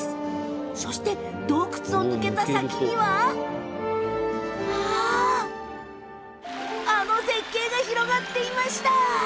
そして、洞窟を抜けた先にはあの絶景が広がっていました。